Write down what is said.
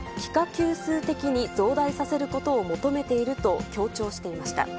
級数的に増大させることを求めていると強調していました。